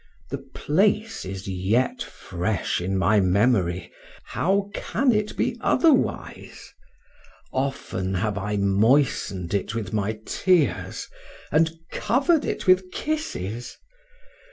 The place is yet fresh in my memory how can it be otherwise? often have I moistened it with my tears and covered it with kisses.